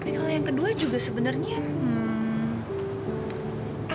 mungkin kalau yang kedua sebenarnya hmm